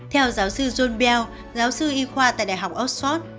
theo giáo sư john bell giáo sư y khoa tại đại học oxford